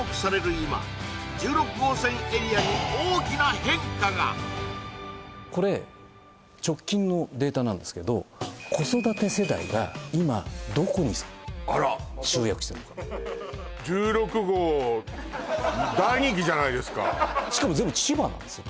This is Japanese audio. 今これ直近のデータなんですけど子育て世代が今どこに集約してるかしかも全部千葉なんですよ